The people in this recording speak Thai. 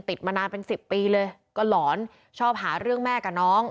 มานานเป็น๑๐ปีเลยก็หลอนชอบหาเรื่องแม่กับน้อง